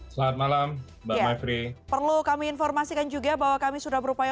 selamat malam mbak maifri